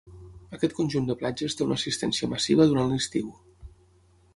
Aquest conjunt de platges té una assistència massiva durant l'estiu.